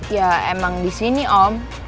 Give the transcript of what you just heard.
ya emang di sini om